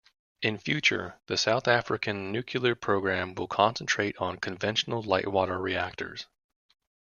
In future, the South African nuclear program will concentrate on conventional light water reactors.